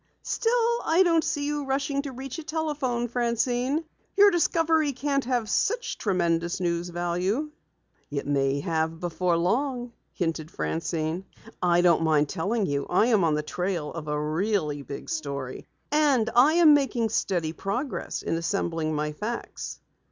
"Still, I don't see you rushing to reach a telephone, Francine. Your discovery can't have such tremendous news value." "It may have before long," hinted Francine. "I don't mind telling you I am on the trail of a really big story. And I am making steady progress in assembling my facts."